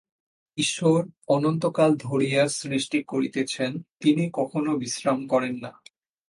ঈশ্বর অনন্তকাল ধরিয়া সৃষ্টি করিতেছেন, তিনি কখনই বিশ্রাম করেন না।